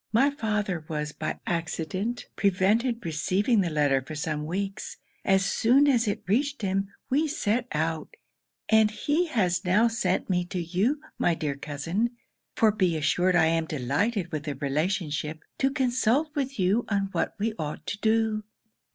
My father was, by accident, prevented receiving the letter for some weeks: as soon as it reached him, we set out, and he has now sent me to you, my dear cousin (for be assured I am delighted with the relationship) to consult with you on what we ought to do.'